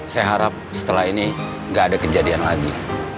saya harap setelah ini nggak ada kejadian lagi